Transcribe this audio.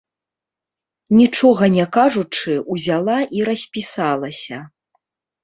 Нічога не кажучы, узяла і распісалася.